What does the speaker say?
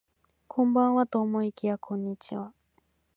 こんばんはと思いきやこんにちは